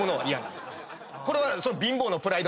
これは。